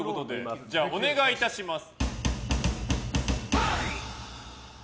じゃあ、お願いいたします。